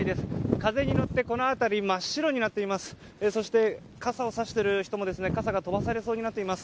風に乗ってこの辺り、真っ白になっています。